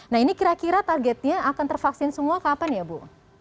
nah ini kira kira targetnya akan tervaksin semua kapan ya bu